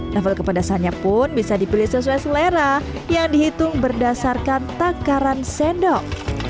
level kepedasannya pun bisa dipilih sesuai selera yang dihitung berdasarkan takaran sendok